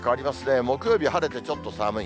木曜日は晴れてちょっと寒い。